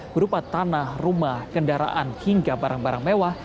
berupa tanah rumah kendaraan hingga barang barang mewah